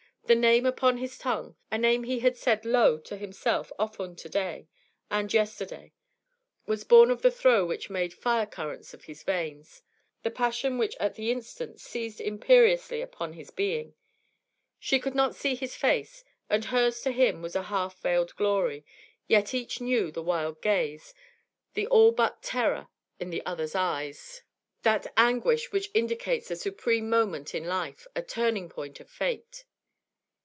The name upon his tongue, a name he had said low to himself often to day and yesterday, was born of the throe which made fire currents of his veins, the passion which at the instant seized imperiously upon his being. She could not see his face, and hers to him was a half veiled glory, yet each knew the wild gaze, the all but terror, in the other's eyes, that anguish which indicates a supreme moment in life, a turning point of fate.